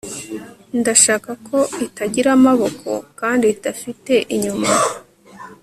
ndashaka ko itagira amaboko kandi idafite inyuma